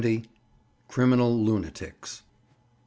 CRIMINAL LUNATICS.